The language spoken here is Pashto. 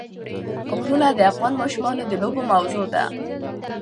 غرونه د افغان ماشومانو د لوبو موضوع ده.